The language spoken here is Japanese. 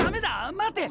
待て！